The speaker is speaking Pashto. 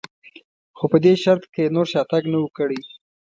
خو په دې شرط که یې نور شاتګ نه و کړی.